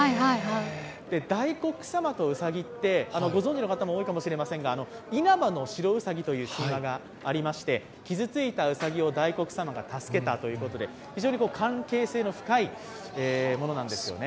大黒様とうさぎって、ご存じの方も多いかもしれませんが因幡の白うさぎという神話がありまして、傷ついたうさぎを大黒さまが助けたということで非常に関係性の深いものなんですよね。